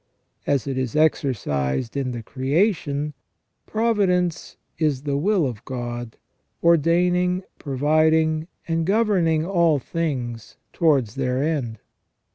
As it is exercised in the creation, providence is the will of God, ordaining, providing, and governing all things towards their end.